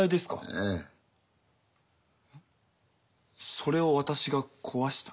それを私が壊した？